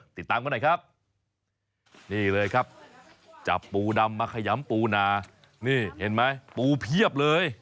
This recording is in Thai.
ติดตามกันหน่อยครับนี่เลยครับจับปูดำมาขยำปูนานี่เห็นไหมปูเพียบเลย